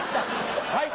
はい！